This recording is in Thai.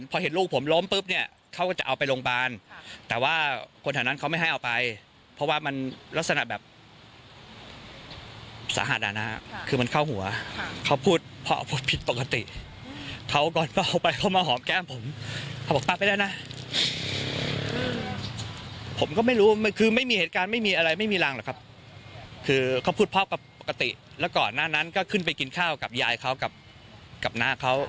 ปกติแล้วก่อนหน้านั้นก็ขึ้นไปกินข้าวกับยายเขากับหน้าเขา